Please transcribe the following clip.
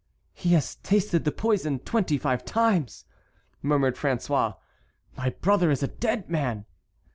"He has tasted the poison twenty five times," murmured François; "my brother is a dead man!"